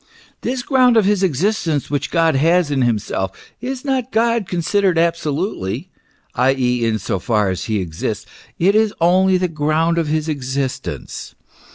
This ground of his existence which God has in himself, is not God considered absolutely, i.e., in so far as he exists ; it is only the ground of his existence.